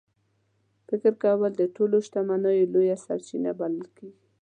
فکر کول د ټولو شتمنیو لویه سرچینه بلل کېږي.